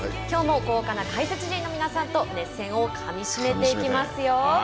きょうも豪華な解説陣の皆さんと熱戦をかみしめていきますよ。